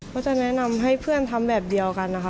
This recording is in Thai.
ก็จะแนะนำให้เพื่อนทำแบบเดียวกันนะคะ